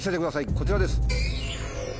こちらです。